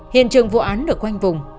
hiện trường vụ án được quanh vùng